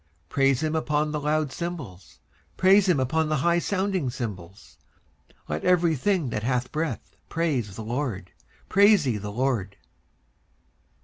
19:150:005 Praise him upon the loud cymbals: praise him upon the high sounding cymbals. 19:150:006 Let every thing that hath breath praise the LORD. Praise ye the LORD.